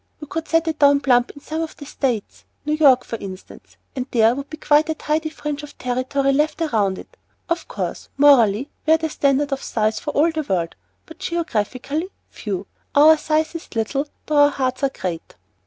You could set it down plump in some of the States, New York, for instance, and there would be quite a tidy fringe of territory left all round it. Of course, morally, we are the standard of size for all the world, but geographically, phew! our size is little, though our hearts are great."